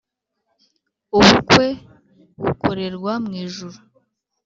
ubukwe bukorerwa mwijuru